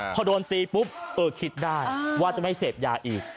พวกโดนตีปูฟคิดได้ว่าจะไม่เสพยาอีก